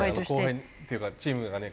後輩というかチームがね